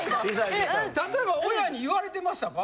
例えば親に言われてましたか？